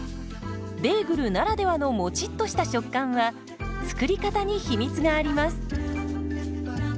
ベーグルならではのもちっとした食感は作り方に秘密があります。